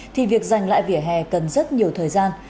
thì việc giành lại vỉa hè cần rất nhiều thời gian